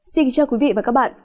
xin chào quý vị và các bạn